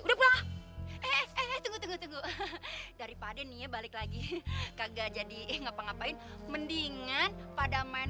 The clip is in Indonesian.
tunggu tunggu tunggu daripada nih balik lagi kagak jadi ngapa ngapain mendingan pada main